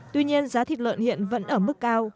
tuy nhiên giá thịt lợn hiện vẫn ở mức cao